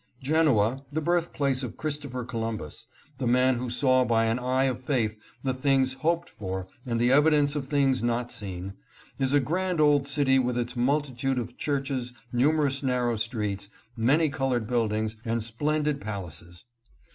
Genoa, the birthplace of Christopher Columbus, the man who saw by an eye of faith the things hoped for and the evidence of things not seen, is a grand old city with its multitude of churches, numerous narrow streets, many colored buildings, and splendid palaces.